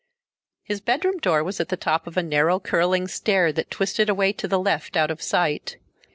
His bedroom door was at the top of a narrow curling stair that twisted away to the left out of sight.